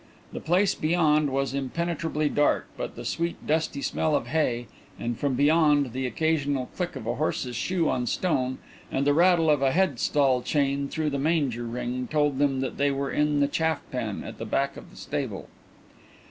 The place beyond was impenetrably dark, but the sweet, dusty smell of hay, and, from beyond, the occasional click of a horse's shoe on stone and the rattle of a head stall chain through the manger ring told them that they were in the chaff pen at the back of the stable.